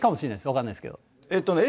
分かんないですけど。